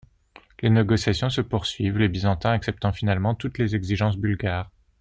Les négociations se poursuivirent, les Byzantins acceptant finalement toutes les exigences bulgares.